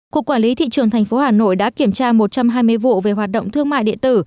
cục quản lý thị trường tp hà nội đã kiểm tra một trăm hai mươi vụ về hoạt động thương mại điện tử